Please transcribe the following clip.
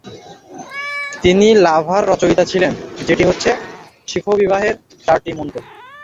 তিনি লাভার রচয়িতা ছিলেন যেটি হচ্ছে, শিখ বিবাহের চারটি মন্ত্র।